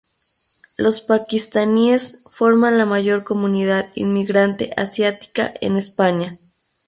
Los paquistaníes forman la mayor comunidad inmigrante asiática en España.